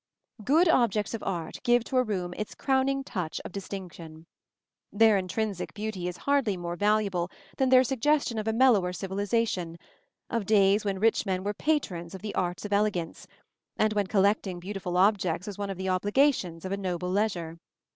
Good objects of art give to a room its crowning touch of distinction. Their intrinsic beauty is hardly more valuable than their suggestion of a mellower civilization of days when rich men were patrons of "the arts of elegance," and when collecting beautiful objects was one of the obligations of a noble leisure.